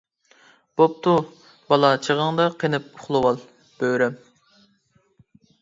-بوپتۇ، بالا چېغىڭدا قېنىپ ئۇخلىۋال، بۆرەم.